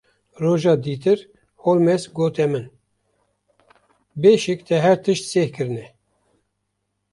Roja dîtir Holmes gote min: Bêşik te her tişt seh kirine.